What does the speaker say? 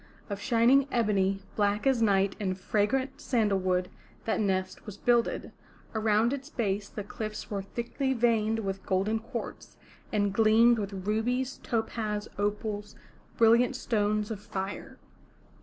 Of shining ebony, black as night and fragrant sandal wood that nest was builded; around its base the cliffs were thickly veined with golden quartz, and gleamed with rubies, topaz, opals, brilliant stones of fire.